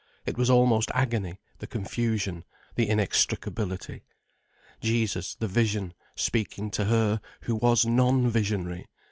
It was almost agony, the confusion, the inextricability. Jesus, the vision, speaking to her, who was non visionary!